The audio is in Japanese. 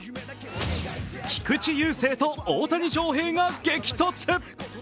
菊池雄星と大谷翔平が激突。